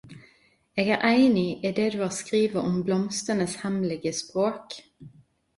Eg er einig i det du har skrive om Blomstenes hemmelige språk.